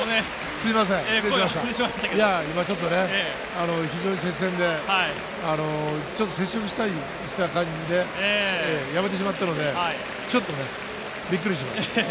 すみません、今非常に接戦で、接触したりした感じでやめてしまったので、ちょっとね、びっくりしました。